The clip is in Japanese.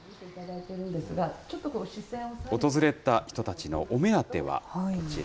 訪れた人たちのお目当ては、こちら。